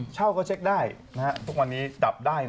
เช่าก็เช็คได้